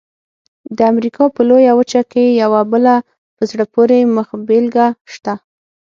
د امریکا په لویه وچه کې یوه بله په زړه پورې مخبېلګه شته.